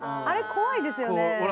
あれ怖いですよね。